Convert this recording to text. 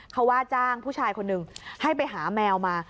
เขาว่าจ้างผู้ชายคนหนึ่งให้ไปหาแมวมา